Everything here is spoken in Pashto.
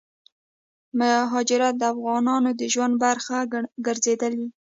مهاجرت دافغانانو دژوند برخه ګرځيدلې